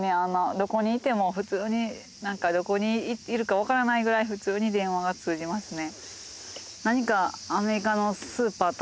どこにいても普通になんかどこにいるかわからないくらい普通に電話が通じますね。